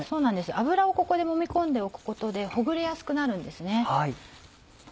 油をここでもみ込んでおくことでほぐれやすくなるんですね。